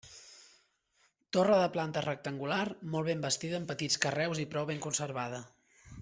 Torre de planta rectangular, molt ben bastida amb petits carreus i prou ben conservada.